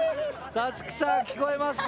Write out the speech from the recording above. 樹さん聞こえますか？